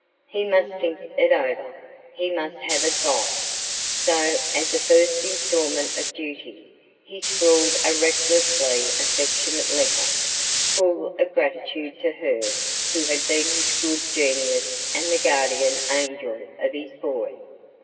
He must think it over. He must have advice. So, as a first instalment of duty, he scrawled a recklessly affectionate letter, full of gratitude to her who had been his good genius and the guardian angel of his boy.